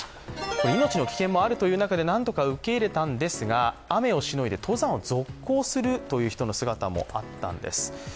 命の危険もある中でなんとか受け入れたんですが、雨をしのいで登山を続行するという人の姿もあったんです。